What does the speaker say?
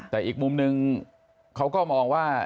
แต่อีกมุมนึงเขาก็มองว่า